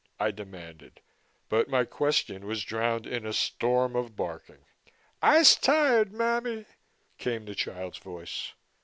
I demanded but my question was drowned in a storm of barking. "I's tired, mammy," came the child's voice.